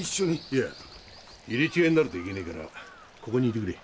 いや入れ違いになるといけねえからここにいてくれ。